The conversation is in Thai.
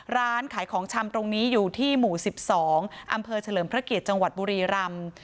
ร้านขายของชำตรงนี้อยู่ที่หมู่๑๒อำเภอเฉลิมพระเกียรติจังหวัดบุรีรำ